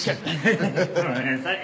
ごめんなさい。